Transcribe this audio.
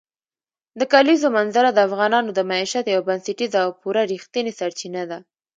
د کلیزو منظره د افغانانو د معیشت یوه بنسټیزه او پوره رښتینې سرچینه ده.